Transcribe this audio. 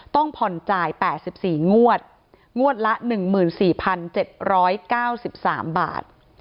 ต้องผ่อนจ่ายแปดสิบสี่งวดงวดละหนึ่งหมื่นสี่พันเจ็บร้อยเก้าสิบสามบาท